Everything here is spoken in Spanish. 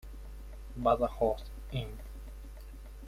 Badajoz: Imp.